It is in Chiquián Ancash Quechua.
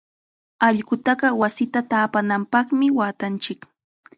Allqutaqa wasita taapananpaqmi waatanchik.